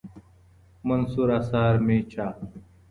منثور اثار مې چاپ